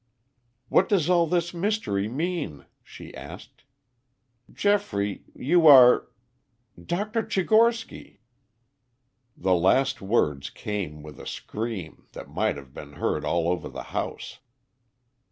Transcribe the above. "What does all this mystery mean?" she asked. "Geoffrey, you are Dr. Tchigorsky!" The last words came with a scream that might have been heard all over the house.